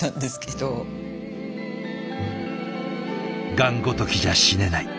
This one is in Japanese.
「がんごときじゃ死ねない」